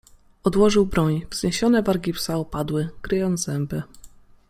Odłożył broń wzniesione wargi psa opadły, kryjąc zęby.